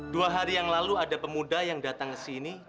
dua hari yang lalu ada pemuda yang datang ke sini